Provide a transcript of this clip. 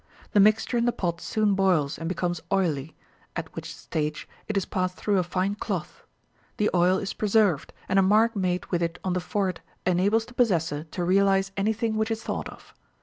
The mixture in the pot soon boils and becomes oily, at which stage it is passed through a fine cloth. The oil is preserved, and a mark made with it on the forehead enables the possessor to realise anything which is thought of.